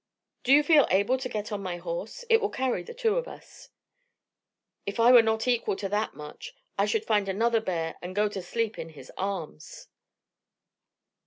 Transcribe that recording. Do you feel able to get on my horse? It will carry the two of us." "If I were not equal to that much I should find another bear and go to sleep in his arms."